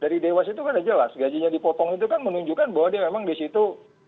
dari dewas itu kan jelas gajinya dipotong itu kan menunjukkan bahwa dia memang di situ